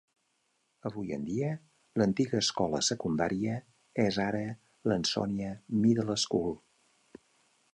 Avui en dia l'antiga escola secundària és ara l'Ansonia Middle School.